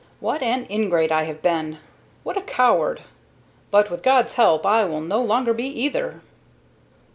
What an ingrate I have been! What a coward! But, with God's help, I will no longer be either!"